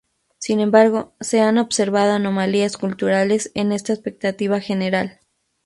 Sin embargo, se han observado anomalías culturales en esta expectativa general.